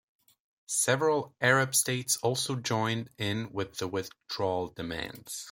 Several Arab states also joined in with the withdrawal demands.